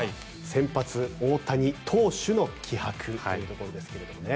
先発、大谷投手の気迫というところですけども。